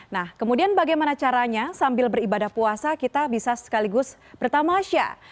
nah kemudian bagaimana caranya sambil beribadah puasa kita bisa sekaligus bertamasya